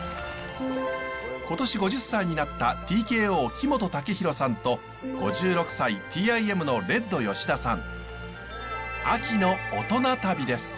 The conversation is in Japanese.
今年５０歳になったＴＫＯ木本武宏さんと５６歳ＴＩＭのレッド吉田さん。